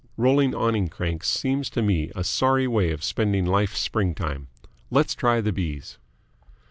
Rolling awning cranks seems to me a sorry way of spending life's springtime. Let's try the B's."